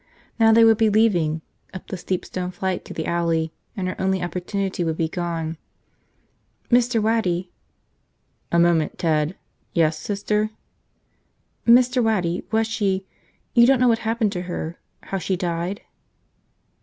Now they would be leaving, up the steep stone flight to the alley, and her only opportunity would be gone. "Mr. Waddy?" "A moment, Ted. Yes, Sister?" "Mr. Waddy, was she – you don't know what happened to her, how she died?"